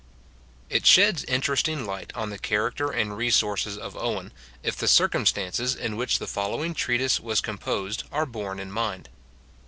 It sheds interesting light on the character and resources of Owen, if the circumstances in which the following treatise was composed are borne in mind.